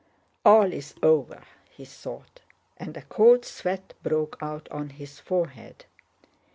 "All is over," he thought, and a cold sweat broke out on his forehead.